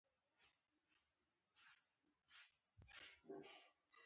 د طالبانو په پالیسیو کې تغیر نه لیدل کیږي.